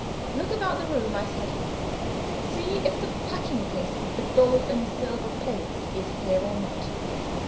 "Look about the room!" I said. "See if the packing case with the gold and silver plates is here or not."